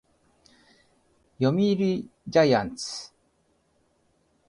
読売ジャイアンツ